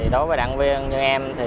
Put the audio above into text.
đối với đảng viên như em